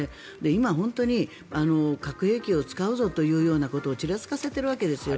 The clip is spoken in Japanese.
今、本当に核兵器を使うぞというようなことをちらつかせているわけですよ。